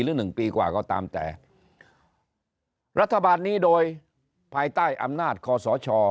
หรือหนึ่งปีกว่าก็ตามแต่รัฐบาลนี้โดยภายใต้อำนาจคอสช